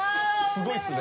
すごいですね。